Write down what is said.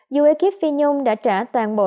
dù ekip phi nhung đã trả toàn bộ